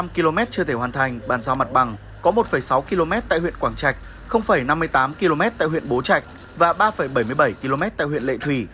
một mươi km chưa thể hoàn thành bàn giao mặt bằng có một sáu km tại huyện quảng trạch năm mươi tám km tại huyện bố trạch và ba bảy mươi bảy km tại huyện lệ thủy